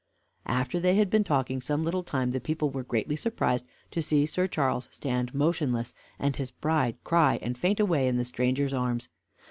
After they had been talking some little time, the people were greatly surprised to see Sir Charles stand motionless, and his bride cry and faint away in the stranger's arms.